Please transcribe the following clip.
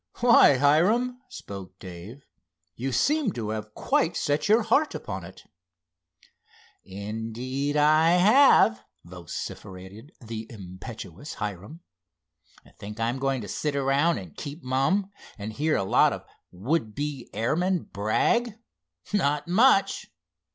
"Why, Hiram," spoke Dave, "you seem to have quite set your heart upon it." "Indeed I have!" vociferated the impetuous Hiram. "Think I'm going to sit around and keep mum, and hear a lot of would be airmen brag? Not much!